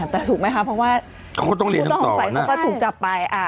แต่ถูกไหมค่ะเพราะว่าเขาก็ต้องเรียนต่อวันอ่ะเขาก็ถูกจับไปอ่า